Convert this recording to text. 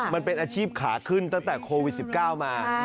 มันเป็นอาชีพขาขึ้นตั้งแต่โควิด๑๙มา